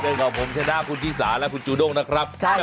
มาเจอกับผมเช่นหน้าคุณชิสาและคุณจูด้งนะครับ